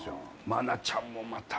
愛菜ちゃんもまた。